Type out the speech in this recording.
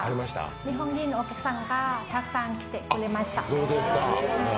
日本人のお客さんがたくさん来てくれました。